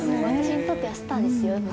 私にとってはスターですよ